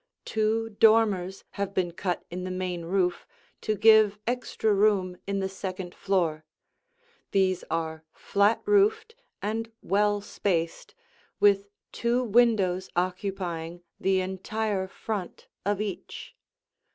Two dormers have been cut in the main roof to give extra room in the second floor; these are flat roofed and well spaced, with two windows occupying the entire front of each.